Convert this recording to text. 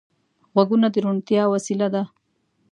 غوږونه د روڼتیا وسیله ده